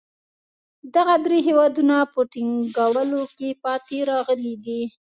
دغه درې هېوادونه په ټینګولو کې پاتې راغلي دي.